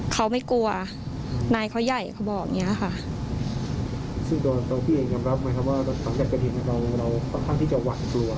เขาไม่กลัวนายเขาใหญ่เขาบอกอย่างเงี้ยอะค่ะ